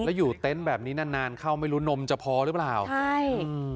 แล้วอยู่เต็นต์แบบนี้นานนานเข้าไม่รู้นมจะพอหรือเปล่าใช่อืม